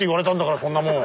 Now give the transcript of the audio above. そんなもん。